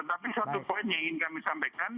tapi satu poin yang ingin kami sampaikan